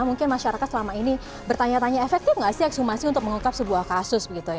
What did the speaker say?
mungkin masyarakat selama ini bertanya tanya efektif nggak sih ekshumasi untuk mengungkap sebuah kasus